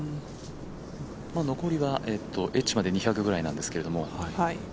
残りはエッジまで２００ぐらいなんですけど。